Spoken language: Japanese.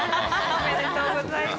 おめでとうございます。